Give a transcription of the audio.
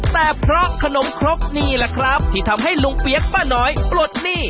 แต่เพราะขนมครกนี่แหละครับที่ทำให้ลุงเปี๊ยกป้าน้อยปลดหนี้